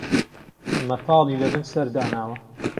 مهتاڵی له بن سهر داناوه